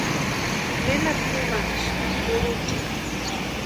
¿Nena pʼimanhasïnki kurucha?